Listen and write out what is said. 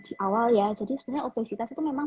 di awal ya jadi sebenarnya obesitas itu memang